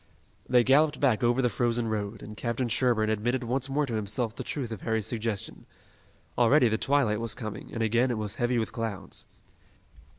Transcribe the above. They galloped back over the frozen road, and Captain Sherburne admitted once more to himself the truth of Harry's suggestion. Already the twilight was coming, and again it was heavy with clouds.